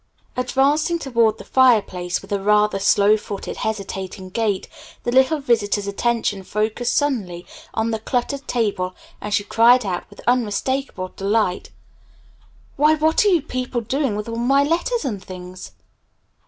Advancing toward the fireplace with a rather slow footed, hesitating gait, the little visitor's attention focused suddenly on the cluttered table and she cried out with unmistakable delight. "Why, what are you people doing with all my letters and things?"